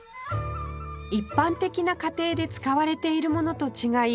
一般的な家庭で使われているものと違い